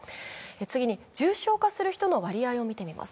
次に重症化する人の割合を見てみます。